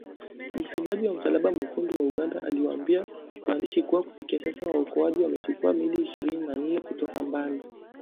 Msemaji wa Msalaba Mwekundu wa Uganda aliwaambia waandishi kuwa kufikia sasa waokoaji wamechukua miili ishirini na nne kutoka Mbale